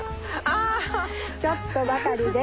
「ちょっとばかりです